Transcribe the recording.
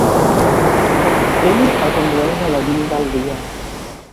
Ell el condueix a la llum del dia.